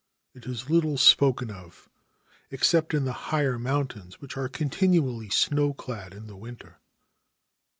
It is little spoken of except in the higher mountains, which are continually snowclad in the winter.